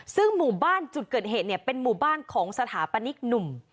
ซึ่งหมู่บ้านจุดเกิดเหตุเนี่ยเป็นหมู่บ้านของสถาปนิกหนุ่ม